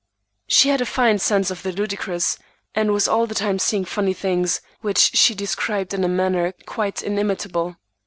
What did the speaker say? She had a fine sense of the ludicrous and was all the time seeing funny things, which she described in a manner quite inimitable.